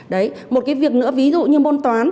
đấy một cái việc nữa ví dụ như môn toán